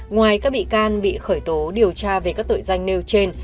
ngoài các bị can bị khởi tố điều tra về các tội danh nêu trên